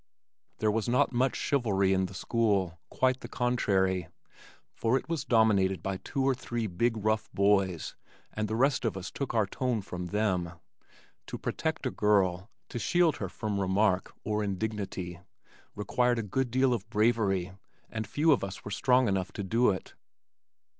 There was not much chivalry in the school quite the contrary, for it was dominated by two or three big rough boys and the rest of us took our tone from them. To protect a girl, to shield her from remark or indignity required a good deal of bravery and few of us were strong enough to do it.